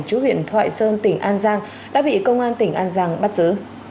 chú huyện thoại sơn tỉnh an giang đã bị công an tỉnh an giang bắt giữ